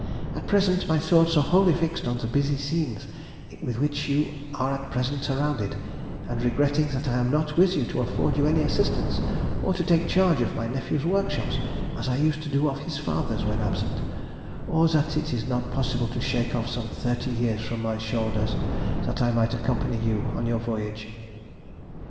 At present my thoughts are wholly fixed on the busy scenes with which you are at present surrounded, and regretting that I am not with you to afford you any assistance, or to take charge of my nephew's workshops, as I used to do of his father's when absent; or that it is not possible to shake off some thirty years from my shoulders that I might accompany you on your voyage.